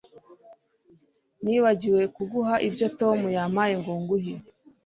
Nibagiwe kuguha ibyo Tom yampaye ngo nguhe